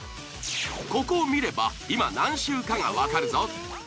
ここを見れば今何周かがわかるぞ。